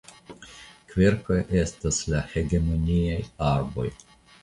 Kverkoj estas la hegemoniaj arboj.